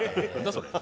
それ。